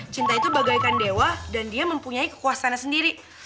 cinta itu bagaikan dewa dan dia mempunyai kekuasaannya sendiri